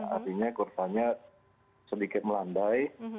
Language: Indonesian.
artinya kurvanya sedikit melambai